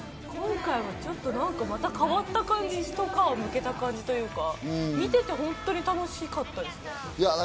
今回はちょっと何かまた変わった感じ、ひと皮むけた感じというか、見ていて本当に楽しかったです。